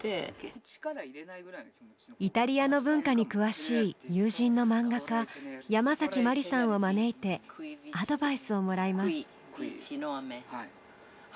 イタリアの文化に詳しい友人の漫画家ヤマザキマリさんを招いてアドバイスをもらいます。